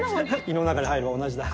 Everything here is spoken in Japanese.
胃の中に入れば同じだ。